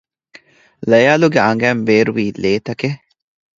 ލަޔާލުގެ އަނގައިން ބޭރުވީ ލޭތަކެއް